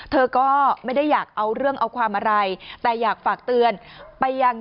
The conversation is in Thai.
เธอก็ไม่ได้อยากเอาเรื่องเอาความอะไรแต่อยากฝากเตือนไปยัง